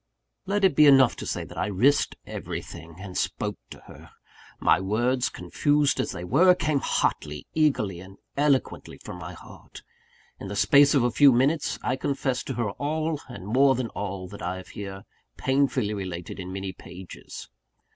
Let it be enough to say that I risked everything, and spoke to her. My words, confused as they were, came hotly, eagerly, and eloquently from my heart. In the space of a few minutes, I confessed to her all, and more than all, that I have here painfully related in many pages.